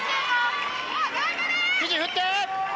首振って！